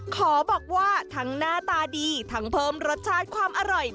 ขอบอกว่าทั้งหน้าตาดีทั้งเพิ่มรสชาติความอร่อย